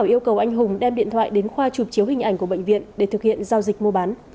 yêu cầu anh hùng đem điện thoại đến khoa chụp chiếu hình ảnh của bệnh viện để thực hiện giao dịch mua bán